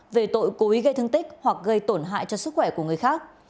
về tội cố ý gây thương tích hoặc gây tổn hại cho sức khỏe của người khác